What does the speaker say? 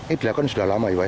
ini sudah lama ya